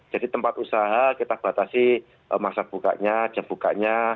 jadi tempat usaha kita batasi masa bukanya jam bukanya